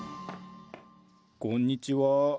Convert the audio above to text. こんにちは。